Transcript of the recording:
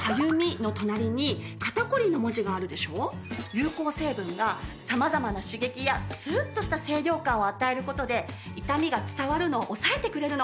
有効成分が様々な刺激やスーッとした清涼感を与える事で痛みが伝わるのを抑えてくれるの。